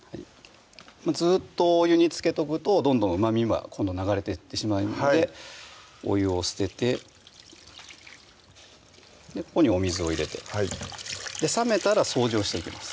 ずっとお湯につけとくとどんどんうまみが今度流れていってしまうのでお湯を捨ててここにお水を入れて冷めたら掃除をしていきます